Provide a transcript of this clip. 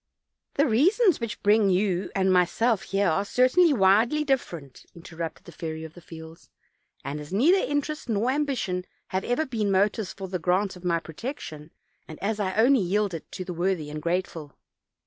"The reasons which bring you and myself here are cer tainly widely different," interrupted the Fairy of the Fields; "as neither interest nor ambition have ever been motives for the grant of my protection, and as I only yield it to the worthy and grateful."